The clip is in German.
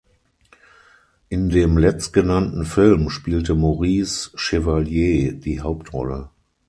In dem letztgenannten Film spielte Maurice Chevalier die Hauptrolle.